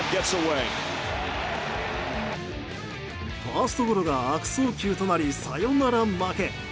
ファーストゴロが悪送球となりサヨナラ負け。